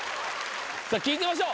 さあ聞いてみましょう。